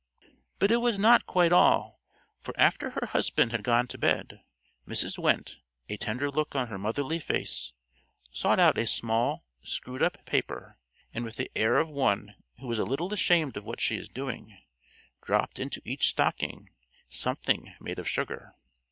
But it was not quite all, for after her husband had gone to bed, Mrs. Wendte, a tender look on her motherly face, sought out a small, screwed up paper, and with the air of one who is a little ashamed of what she is doing, dropped into each stocking a something made of sugar.